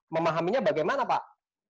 memahaminya bagaimana pak